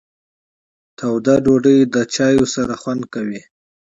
تاوده ډوډۍ له چای سره خوند کوي.